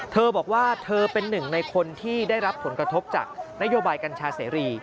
เธอบอกว่าเธอเป็นหนึ่งในคนที่ได้รับผลกระทบจากนโยบายกัญชาเสรี